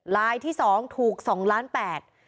รายที่๒ถูก๒๘๐๐๐๐๐บาท